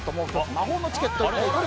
魔法のチケットが。